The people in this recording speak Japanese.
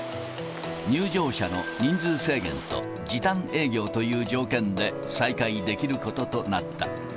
入場者の人数制限と時短営業という条件で、再開できることとなった。